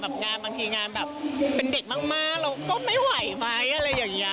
งานบางทีงานแบบเป็นเด็กมากเราก็ไม่ไหวไหมอะไรอย่างนี้